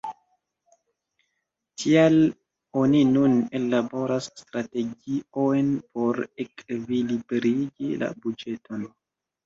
Tial oni nun ellaboras strategiojn por ekvilibrigi la buĝeton.